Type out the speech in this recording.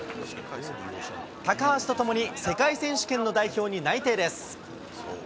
高橋とともに世界選手権の代表に内定です。